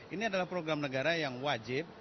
ini adalah program negara yang wajib